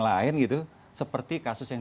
lain gitu seperti kasus yang